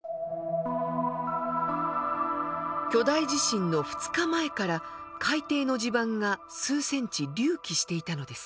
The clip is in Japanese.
巨大地震の２日前から海底の地盤が数センチ隆起していたのです。